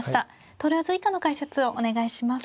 投了図以下の解説をお願いします。